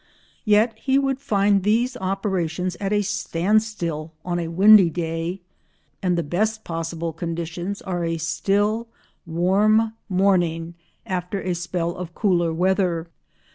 Yet he would find these operations at a standstill on a windy day, and the best possible conditions are a still warm morning after a spell of cooler weather.